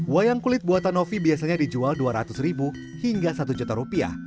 wayang kulit buatan novi biasanya dijual dua ratus ribu hingga satu juta rupiah